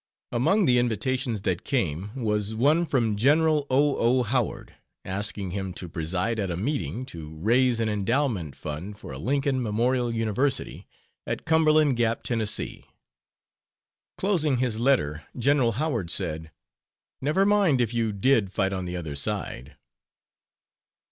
Among the invitations that came was one from General O. O. Howard asking him to preside at a meeting to raise an endowment fund for a Lincoln Memorial University at Cumberland Gap, Tennessee. Closing his letter, General Howard said, "Never mind if you did fight on the other side."